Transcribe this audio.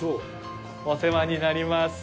お世話になります。